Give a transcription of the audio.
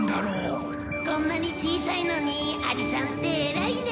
こんなに小さいのにアリさんって偉いね。